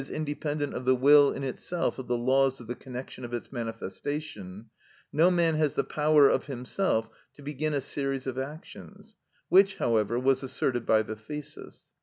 _, independence of the will in itself of the laws of the connection of its manifestation), no man has the power of himself to begin a series of actions, which, however, was asserted by the thesis.